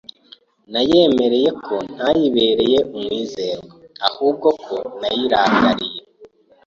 Nayemereye ko ntayibereye umwizerwa, ahubwo ko nayirakariye